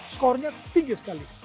skornya tinggi sekali